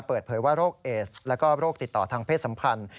เปิดเผยว่าโรคเอสแล้วก็โรคติดต่อทางเพศสัมพันธ์